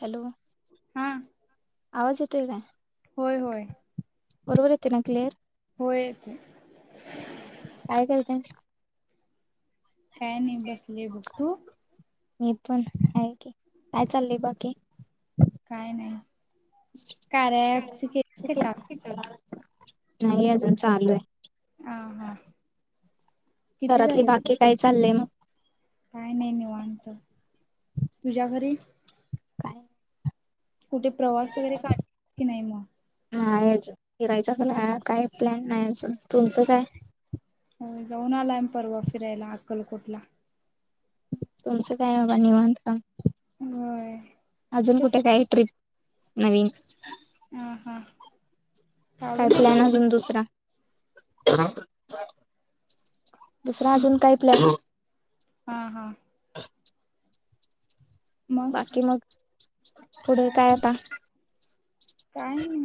Hello आवाज येतोय काय? व्हय होय बरोबर येते ना क्लेअर होय येतोय... काय करतेयस. काय नाही बसलेय बघ तू? मी पण हाय. काय चालंय बाकी काय नाय. कार्या‌‌ अँपचे केलीस का टस....... नाही आजून चालू हा हाय हा किती घरातली झालेत मग बाकी काय चाललयं मग? काय नाही निवांत तुझ्या घरीं काय कुठं प्रवास वगैरे काढत्यात की नाही मग नाही अजून फिरायचं पण हाय काय प्लॅन नाय अजून तुमचं काय होय जाऊन आलोय आम्ही परवा फिरायला अक्कलकोटला तुमचं काय बाबा निवांत काम......... होय कुठं आजून कुठे काय ट्रिप नवीन...... ह हा..... काय काढून ये की प्लॅन आजून दुसरा? [unintelligible] दुसरा अजून काय प्लॅन? हां हां [inaudible] बाकी मग पुढे काय आता? काय नाही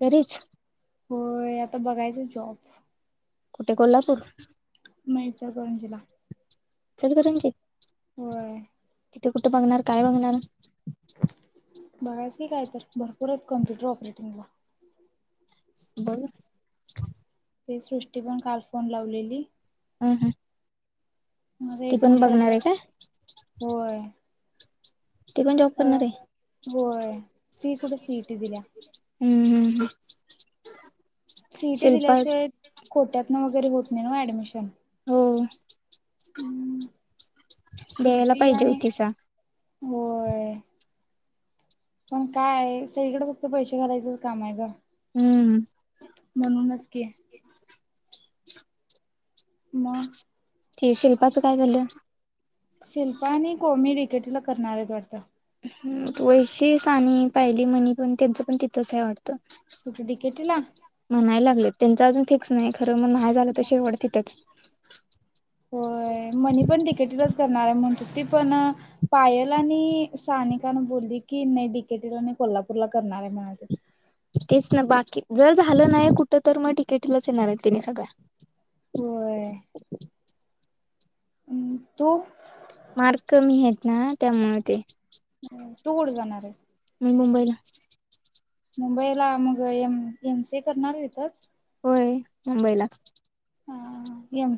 तरीच् होय आता बघायचा जॉब कुठे कोल्हापूर. म ये चल इचलकरंजीला.... इचलकरंजीत? होय तू‌ कुठं बघणार काय बघणार? [inaudible] बघायचं की काय तर, भरपूर आहेत कॉम्प्युटर ऑपरेटींग ला बोल ना ती सृष्टी पण काल फोन लावलेली. हम्म हम्म माझ एक दोन [unintelligible] होय.. ती पण जॉब अ करणार आहे होय, ती कुठं सी इ टी दिल्या? हम्म हम्म ह सि इ टी दिल्याशिवाय कोट्यातन वगैरे होत नेनू ॲडमिशन होय.. द्यायला शिल्पी पायजे आणि हुतीसा होय.. पण काय सगळीकडं फक्त पैशे घालायचंच काम हाय गं. हम्म [unintelligible] म्हणूनच की, म? ते शिल्पाचं काय झालं? शिल्पा आणि कोमी रिक [unintelligible] ला करणार आहेत वाटतं? वैशी, सानि, पायली मनी पण त्यांचं पण तिथंच हाय वाटतं? कुठे डिकेटीला म्हणाय लागलेत. त्यांच अजून फिक्स नाही खरं म नाय झालं तर मग शेवट तिथंच. होय मनी पण डी के टि लाचं करणार हाय म्हणत हुती ती पण पायल आणि सानिकान बोलली की, नाही डीकेटीला नाही कोल्हापूरला करणार हाय म्हणालतीत. तेच ना! बाकी जर झालं नाही कुठं तर, मग डी के टी लाच येणार आहेत तेणी सगळ्या. [inaudible] हम् तू? मार्क कमी आहेत ना त्यामुळं ते तू कुठं जाणार आहेस? मी मुंबईला मुंबईला मग एम एम सी ए करणार आहे तीतचं? होय मुंबईलाचं.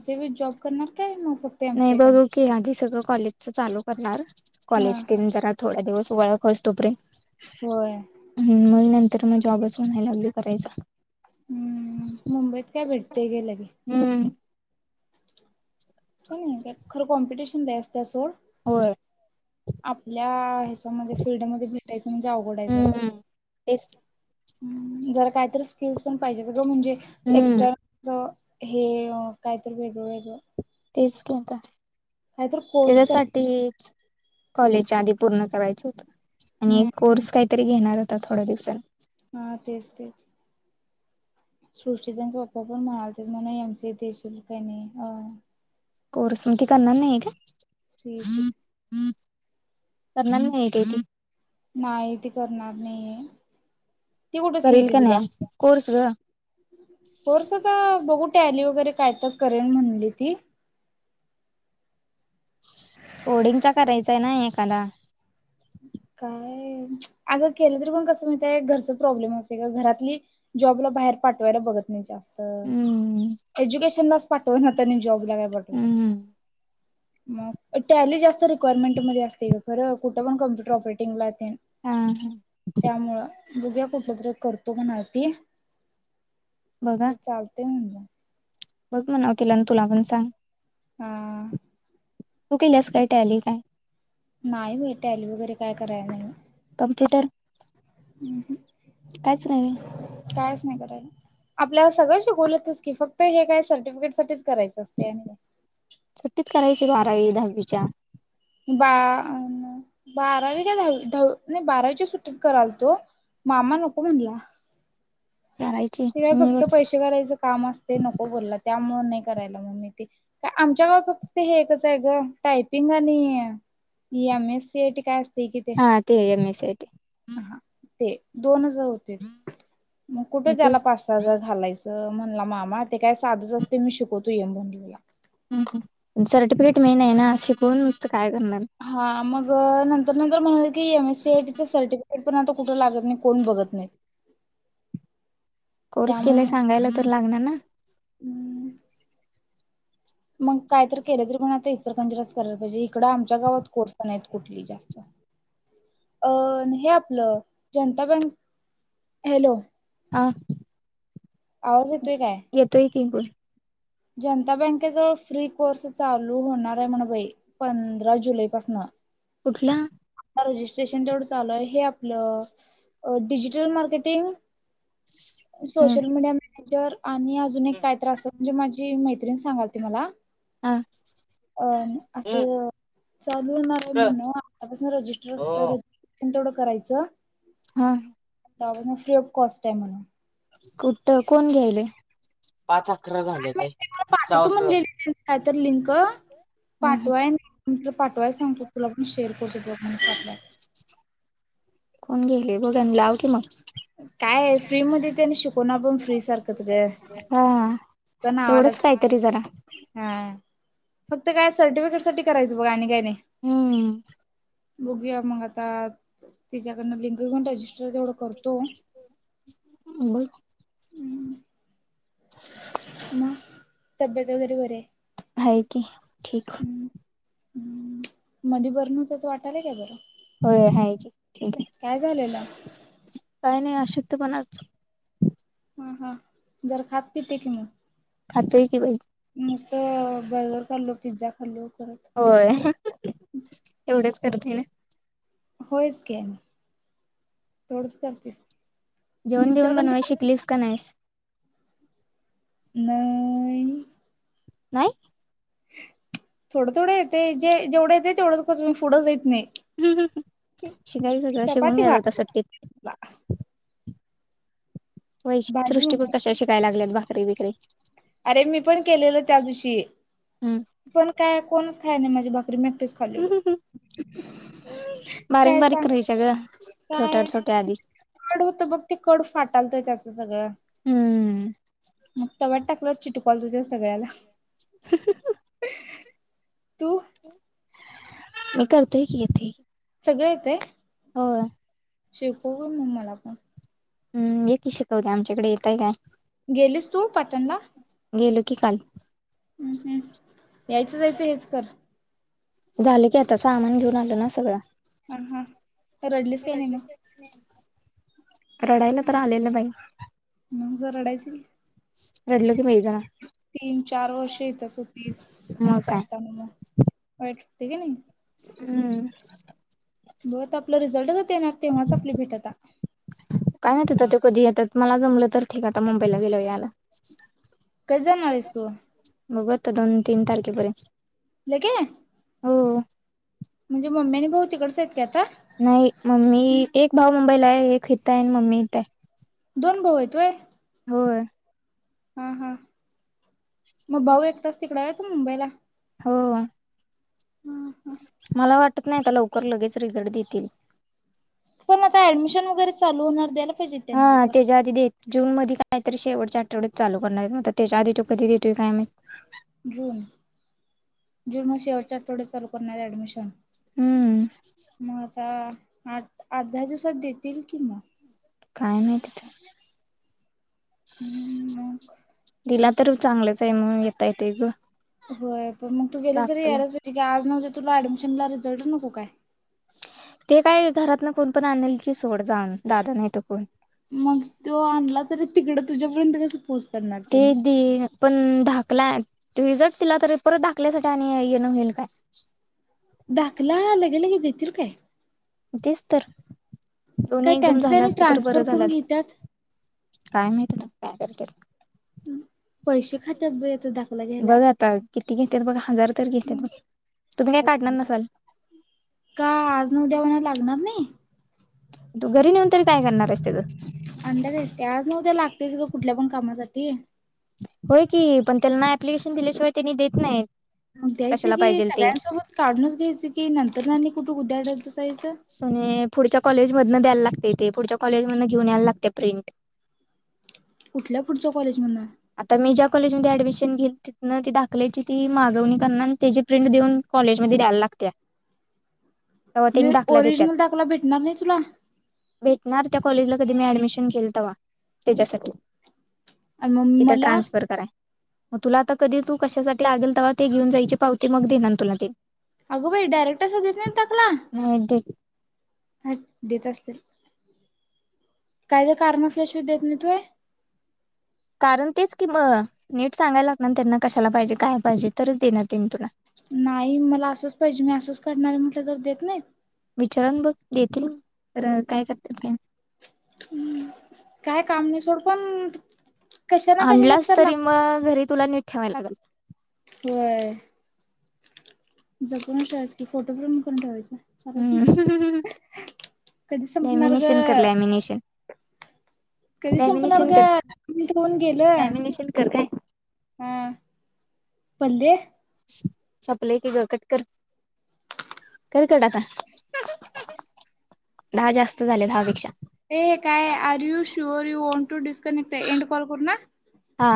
ते बी जॉब करणार काय मग फक्त एम नाही सी ए करणार? बघू की आधी सगळं कॉलेजचं चालू करणार हा कॉलेज [unintelligible] जरात- थोड्या दिवस ओळख होईस तोपर्यंत होय हम्म मग नंत तर मग जॉबच म्हणाय लागलोय करायचं. हम्म मुंबईत काय भेटतय घे लगे? हम्म काय नाही खर कॉम्पिटिशन! [inaudible] ते सोड होय आपल्या ह्याच्यामध्ये फिल्डमध्ये भेटायच म्हणजे अवघड हाय जरा. हम्म तेच हम् जरा कायतरी स्किल्स पण पाहीजेत ग म्हणजे हम्म एक्सट्रा ज हे कायतर वेगळं वेगळं. तेच की आता काहीतरी कोर्स कर त्याज्यासाठी कॉलेजच्या आधी पूर्ण करायचं होतं. आणि एक कोर्स काहीतरी घेणार. आता थोड्या दिवसात. हा तेच तेच सृष्टी तेंच पप्पा पण म्हणालतीत म्हण एम सी ए देशील काय नई. अ कोर्स मग ती करणार नाही काय? सीईटी करणार नाहीये काय ती? नाई ती करणार नाहीय ती कुठ करील सीईटी का दिल्या. नाही कोर्स ग कोर्स आता बघू टॅली वगैरे काय तर करेल म्हणली ती. ओडिंगचा करायचा ना एखादा काय अग केलं तरी पण कस माहितेय घरच प्रॉब्लेम असते ग घरातली जॉबला बाहेर पाठवायला बघत नाही जास्त. हम्म अ एज्युकेशन लाच पाठवनात आणि जॉब तिला काय पाठवत्यात? हम्म मग टँली जास्त रिक्वायरमेंट मध्ये असते का खरं कुठं पण कॉम्पुट प्रॉपरटिंग लायसन्स हा हा त्यामुळं बघुया कुठलं तरी एक करतो म्हणालती. म चालतंय म्हणल्या. बग म्हणावं तिला न् तुला पण सांग. हा तू केल्यास काय टँली काय? नाय बाय टँली वैगरे काय करा कंप्युटर हम् कायच आपल्याला सगळं शिकवल्यातचं की, फक्त हे काय सर्टिफिकेट साठीच करायचं असतंय आणि काय? सुट्टीत करायची बारावी दहावीच्या बा बारावी काय दहावी नाही बारावीच्या सुट्टीत करालतो मामा नको म्हणला. करायची ते हम्म फक्त पैसे करायचं काम असतय, नको बोलल्यात त्यामुळे नाही करायला मग मी ते आमच्या गावात फक्त ते हे एकच हाय गं टायपिंग आणि M S C I T काय अस हा ते M S C I T हा ते दोनच जाऊ दे मग कुठे त्याला पाच-सहा हजार घालायचं. म्हणला मामा ते काय साधच असतंय मी शिकवतो ये म्हणाला सर्टिफिकेट मेन आहे ना शिकवून नुस्त हा मग नंतर-नंतर म्हणाले की M S C I T चं सर्टिफिकेट पण आता कुठ लागत नाही, कोण बघत नाही कोर्स त्यामुळे केलाय सांगायला तर लागणार ना? मग मग काय तर केलं तरी आता इचलकरंजीलाच करायला पाहिजे, इकडं आमच्या गावात कोर्स नाहीत कुठली जास्त अ हे आपलं जनता बँक हॅलो हा आवाज येतोय ते काय? बोल जनता बँके जवळ फ्री कोर्स चालू होणार आहे म्हण बाई पंधरा जुलै पासन कुठला? आता रजिस्ट्रेशन तेवढं चालू आहे हे आपलं डिजिटल मार्केटिंग हम्म सोशल मीडिया नाहीतर आणि अजून एक काय तर अस म्हणजे माझी ती मैत्रिण सांगालती मला हा अ हम्म. असं चालू होणार आहे कुठं म्हण आतापासून हो. रजिस्टर [unintelligible] करायचं? हा तवा पासून फ्री ऑफ कॉस्ट आहे म्हणून कुठ कोण घ्यायलय पाच अकरा झालेत ताई सहा वाजता जातो. काय तर लिंक हम्म पाठवाय नाही मी तुला पाठवाय सांगतो तुला पण शेअर करतो बग म्हण वाटल्यास. कोण गेले बघ आणि लाव की मग काय फ्री मधे त्यांनी शिकवना पण फ्री सारखंच ग त्या [unintelligible] तेवढंच नावालाच की. काहीतरी जरा हा फक्त काय सर्टिफिकेट साठी करायचं बघ आणि काय नाही. हम्म बघूया मग आता तिज्या बोल मग तब्येत वगैरे बरी आहे. आहे की ठीक. ह मध्ये बर नव्हत आता वाटालाय काय बरं? होय हाय की ठीक हाय. काय झालेलं? काही नाही अशक्त पणाच. हा हा जरा खातपित ये की मग. खातय की बई. मस्त बर्गर खाल्लो पिझ्झा खाल्लो. करत होय एवढेच. [unintelligible] होयच की तेवढंच करतीस. जेवण बीवन बनवाय शिकलीस काय नाहीस? नाही नाही थोडं थोडं येते जे जेवढं येते तेवढंच पुढं जाईत नाही हू हू शिकायच ग शिकून चपाती घ्यायचं भात सुट्टीत वैशि भाजी सृष्टी बग नव्हती कश्या शिकायला लागल्यात भा [unintelligible] बिकरी अरे मी पण केलेल त्या दिवशी. पण काय कोणच? हय आणि नाही माझ्या बाकरी मॅ पिस खाल्लेलो. हम्म बारीक काय बारीक सांग? करायच्या ग छोट्या काय छोट्या आधी कडू होत बघ ते कडू फाट. चालतय त्याचं सगळं. हम्म मग तव्यात टाकल्यावर चिटकालत जास सगळ्याला [unintelligible] तू मी करतोय की इथे सगळं येत आहे होय शिकवून मग मला पण हम ये की शिकवते आमच्याकडे येताय काय गेलीस तू पाटणला गेलो की काल हं हं यायचं जायचं हेच कर झालं की आता सामान घेऊन आलो ना सगळं. हा हा तर रडलीस काय नाही म? रडायला तर आलेलं बाई मग जर रडायच की रडलो की बाई जरा तीन चार वर्ष येतच हो तीस आणि मग काय चारता म्हनू वाईट [unintelligible] हम्म मग त आपलं रिझल्ट ते येणार तेव्हाच आपली भेट आता काय माहित आता ते कधी येतात मला जमलं तर ठीक आता मुंबईला गेलोवर यायला कधी जाऊन आलीस तू बघू आता दोन तीन तारखेपर्यंत लेके हो म्हणजे मम्मी आणि भाऊ तिकडचे आहेत काय आता? नाही मम्मी एक भाऊ मुंबईला हाय, एक हिथं हाय आणि मम्मी इथंय. दोन भाऊ आहेत व्हयं होय हा हा मग भाऊ एकटाच तिकडे आहे की मुंबईला आहे हो मला वाटत नाही आता लवक कर लगेच रिझल्ट देतील पण आता ऍडमिशन वगैरे चालू होणार द्यायला पाहिजे त्यांनी हा लवकर त्याच्या आधी देत जून मध्ये काय तरी शेवटच्या आठवड्यात चालू करणार म त्याच्या आधी त कधी देतोय काय माहीत जून जून मग शेवटच्या आठवड्यात चालू करणाराय. कमिशन हम्म म आता आठ आठ दहा दिवसात देतील कि म. काय नाही तिथं हम्म मग तीला तरू चांगलच आहे मनून येताय ते ग होय हो मग तू गेली दाखला जरी [inaudible] तुला अडमिशनला रिझल्ट नको काय? ते काय घरात न कोणपण आणल की सोड जान दादा नाय त कोण तो आणलात तरी तिकड तुझ्यापर्यंत कस? पूस करणार ते त्यांनी दे पण धाकलाय रिझल्ट तिला तर परत धाकल्यासाठी आणिय येण होईल काय? दाकला लगेलगे देतील काय? म तेच तर दोन्ही काय एकदम त्यांचे झालं त्यानी असत तर बरं ट्रान्सफर झालं करून असतं, घेतात काय माहीत अता काय करतात उ पैसे खात्यात बय ते दा बघा आता किती घेत्यात बघा हजार तर घेत्यात बघ तुमी काय काढणार नसाल? ऊं तू घरी नेऊन तरी काय करणार आहेस त्याचं ओंदा दिसत्यास आज न उद्या लागतेच ग कुठल्या पण कामासाठी. ती होय की पण त्याना अप्लिकेशन दिल्याशिवाय त्यांनी देत नाहीत. मग द्यायच कशाला कि पाहिजेल ते सगळ्यांसोबत काढूनच घ्यायचं की नंतर आणि कुठ उद्याडात बसायचं. मधन द्याय लागतंय ते, पुढच्या कॉलेज मधन घेऊन यायला लागत्याय प्रिंट. कुठल्या पुढच्या कॉलेज मधन म्हणजे आता मी ज्या कॉलेजमधी ऍडमिशन घेल तिथन ती दाखल्याची ती मागवणी करणानं त्याची प्रिंट देऊन कॉलेजमधी द्याया लागत्या. जे ओरिजनल दाखला भेटणार नही तुला? भेटणार त्या कॉलेजला कधी मी ऍडमिशन केल तवा त्येच्यासाठी आणि मग तिथ मला ट्रान्सफर कराय म तुला आता कधी तू कशासाठी लागल तवा ते घिऊन जायची पावती मग देनार तुला ते. अगो बई डयरेक्ट असदेत नाईत दाकला नाही दे अ देत असतील काय ज कारण असल्याशिय देत नाय होय कारण तेच कि म नीट सांगाय लागणान त्यांना कशाला पाहिजे काय पाहिजे तरच देनार नाई मला असंच पाहिजे मी असंच करणार मं ते जर देत नईत? विचारून बघ देतील तर काय करतील ते हम् काय काम नाही सोड पण कशा ना कशासाठी आणलाच तर तरी लाग मग जरी तुला नीट ठेवाय लागल. होय जपूनच ठेवायंच की फोटो पण करून ठेवायचा. सरक की हम्म कधी संपणार ग, लॅमिनेशन कर लॅमिनेशन कधी संपणार लॅमिनेशन कर ग ठेऊन गेलं लॅमिनेशन कर काय हा पल्ले सप्लय की ग कट कर. कर कट आता. दहा जास्त झाले दहा पेक्षा. हे काय are you sure you want to disconnect आहे एंड कॉल करू ना? हा